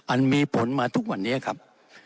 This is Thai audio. อันมีผลมาทุกวันนี้ครับ